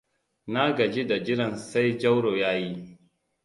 Na gaji da jiran sai Jauro ya yi.